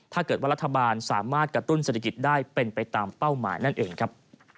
ถ้าเกิดว่ารัฐบาลสามารถกระตุ้นเศรษฐกิจได้เป็นไปตามเป้าหมายนั่นเองครับ